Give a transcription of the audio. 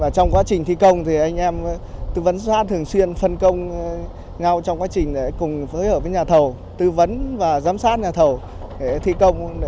trong quá trình thi công thì anh em tư vấn sát thường xuyên phân công nhau trong quá trình cùng với nhà thầu tư vấn và giám sát nhà thầu thi công